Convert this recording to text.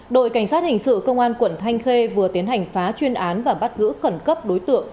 đội cảnh sát hình sự công an quận thanh khê vừa tiến hành phá chuyên án và bắt giữ khẩn cấp đối tượng